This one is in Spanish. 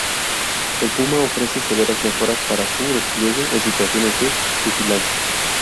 El "Puma" ofrece severas mejoras para su despliegue en situaciones de vigilancia.